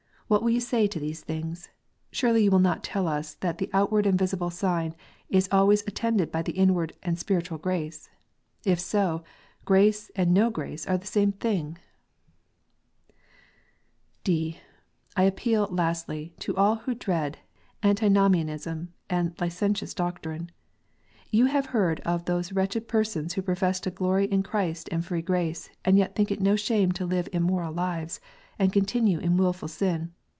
What will you say to these things ? Surely you will not tell us that the outward and visible sign is always attended by the inward and spiritual grace. If so, grace and no grace are the same thing ! (d) I appeal, lastly, to all who dread Antinomianism and licentious doctrine. You have heard of those wretched persons who profess to glory in Christ and free grace, and yet think it no shame to live immoral lives, and continue in wilful sin.